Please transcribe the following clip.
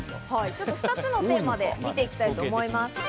２つのテーマで見ていきたいと思います。